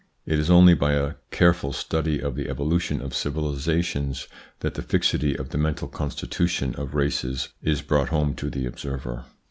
IT is only by a careful study of the evolution of civilisations that the fixity of the mental con stitution of races is brought home to the observer.